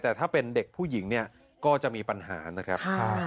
แต่ถ้าเป็นเด็กผู้หญิงเนี่ยก็จะมีปัญหานะครับ